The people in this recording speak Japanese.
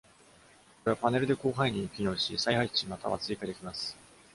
これは、「パネル」で広範囲に機能し、再配置または追加できます。